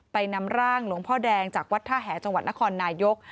นำร่างหลวงพ่อแดงจากวัดท่าแหจังหวัดนครนายก